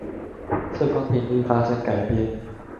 色光頻率發生改變